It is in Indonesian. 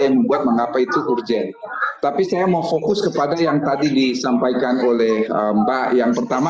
yang membuat mengapa itu urgent tapi saya mau fokus kepada yang tadi disampaikan oleh mbak yang pertama